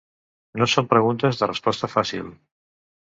No són preguntes de resposta fàcil.